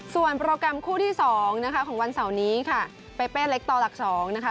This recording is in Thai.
ส่วนโปรแกรมคู่ที่๒ของวันเสาร์นี้เป้เป้เล็กต่อหลัก๒